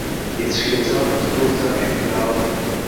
Ицәгьаӡамызт урҭ ажәеинраалақәа.